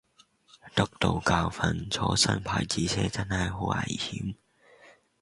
得到教訓，坐新牌子車真係好危險